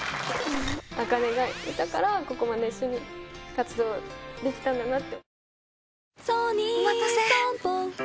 茜がいたからここまで一緒に活動できたんだなって。